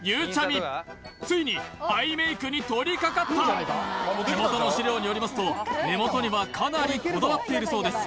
みついにアイメイクに取りかかった手元の資料によりますと目元にはかなりこだわっているそうです